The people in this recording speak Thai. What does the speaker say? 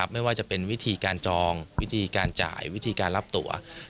ไม่ว่าจะเป็นวิธีการจองวิธีการจ่ายวิธีการรับตัว